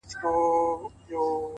ښه عادتونه خاموشه پانګه ده،